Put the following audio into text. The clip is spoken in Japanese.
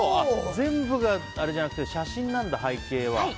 全部があれじゃなくて写真なんだ、背景は。